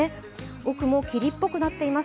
奥も霧っぽくなっています。